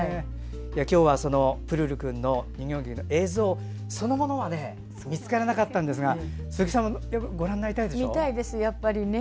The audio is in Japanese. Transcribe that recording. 今日は「プルルくん」の人形劇映像そのものは見つからなかったんですが鈴木さんも見たいです。